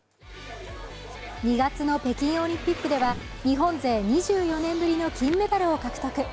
２月の北京オリンピックでは日本勢２４年ぶりの金メダルを獲得。